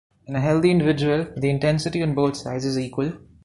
In a healthy individual the intensity on both sides is equal.